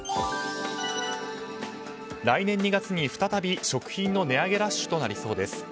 来年２月に再び食品の値上げラッシュとなりそうです。